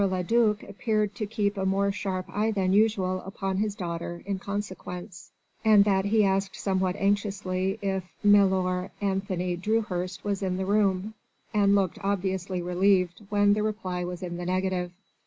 le duc appeared to keep a more sharp eye than usual upon his daughter in consequence, and that he asked somewhat anxiously if milor Anthony Dewhurst was in the room, and looked obviously relieved when the reply was in the negative.